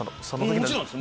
もちろんです。